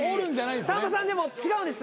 さんまさん違うんです。